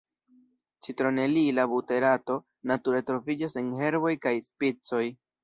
Citronelila buterato nature troviĝas en herboj kaj spicoj.